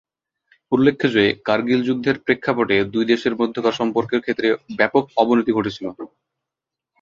উল্লেখ্য যে, কার্গিল যুদ্ধের প্রেক্ষাপটে দুই দেশের মধ্যকার সম্পর্কের ক্ষেত্রে ব্যাপক অবনতি ঘটেছিল।